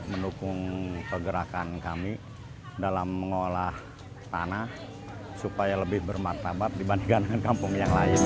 mendukung pergerakan kami dalam mengolah tanah supaya lebih bermartabat dibandingkan dengan kampung yang lain